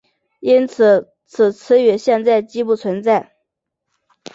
因此此词语现在几不存在。